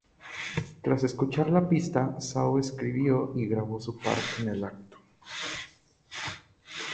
Tras escuchar la pista, Saw escribió y grabó su parte en el acto.